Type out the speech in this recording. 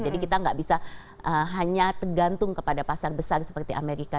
jadi kita nggak bisa hanya tergantung kepada pasar besar seperti amerika